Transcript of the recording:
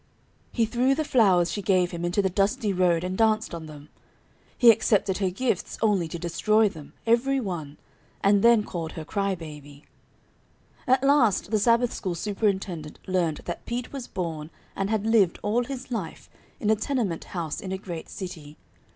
He threw the flowers she gave him into the dusty road and danced on them. He accepted her gifts only to destroy them, every one, and then called her "Cry baby." At last the Sabbath school superintendent learned that Pete was born and had lived all his life in a tenement house in a great city.